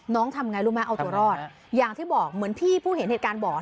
น้องทำไงรู้มั้ยใช่ไหมจะรอดอย่างที่บอกเหมือนพี่ผู้เฮียดเหตุการณ์บอก